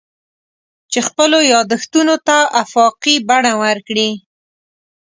چې خپلو یادښتونو ته افاقي بڼه ورکړي.